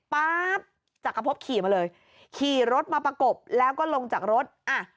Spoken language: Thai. ป๊าบจักรพบขี่มาเลยขี่รถมาประกบแล้วก็ลงจากรถอ่ะ